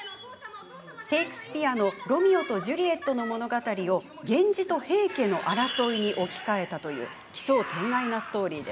シェイクスピアの「ロミオとジュリエット」の物語を源氏と平家の争いに置き換えたという奇想天外なストーリー。